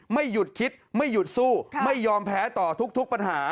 ไม่หยุดคิดไม่หยุดสู้ไม่ยอมแพ้ต่อทุกปัญหา